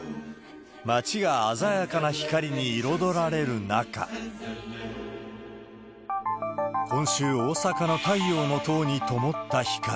街が鮮やかな光に彩られる中、今週、大阪の太陽の塔にともった光。